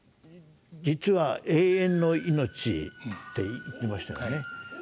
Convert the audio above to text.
実は永遠の命って言ってましたよね。